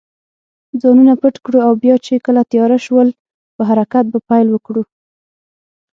ځانونه پټ کړو او بیا چې کله تېاره شول، په حرکت به پیل وکړو.